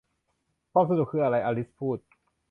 'ความสนุกคืออะไร ?' อลิซพูด